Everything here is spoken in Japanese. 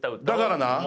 だからな。